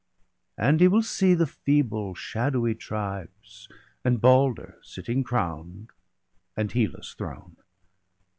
And he will see the feeble shadowy tribes, And Balder sitting crown'd, and Hela's throne.